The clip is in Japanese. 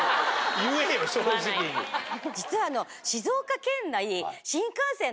実は。